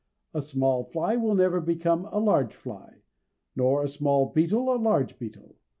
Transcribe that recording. A small fly will never become a large fly, nor a small beetle a large beetle.